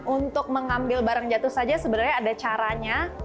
untuk mengambil barang jatuh saja sebenarnya ada caranya